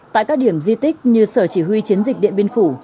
tại các điểm di tích như sở chỉ huy chiến dịch điện biên phủ